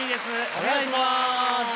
お願いします！